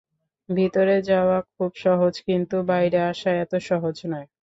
ভিতরে যাওয়া খুব সহজ, কিন্তু বাইরে আসা এত সহজ নয়।